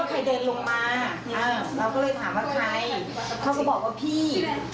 เค้าก็บอกว่าพี่